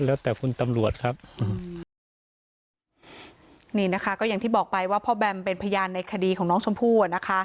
แล้วแต่คุณตำรวจครับนี่นะคะก็อย่างที่บอกไปว่าพ่อแบมเป็นพยานในคดีของน้องชมพู่อ่ะนะคะ